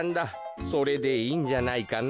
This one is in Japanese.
それでいいんじゃないかな？